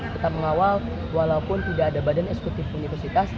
tetap mengawal walaupun tidak ada badan eksekutif universitas